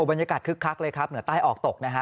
คึกคักเลยครับเหนือใต้ออกตกนะฮะ